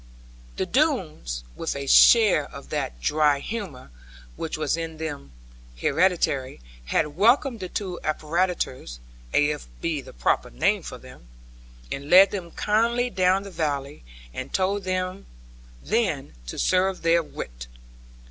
The Doones, with a share of that dry humour which was in them hereditary, had welcomed the two apparitors (if that be the proper name for them) and led them kindly down the valley, and told them then to serve their writ.